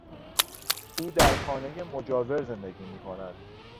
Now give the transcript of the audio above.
او در خانهی مجاور زندگی می کند.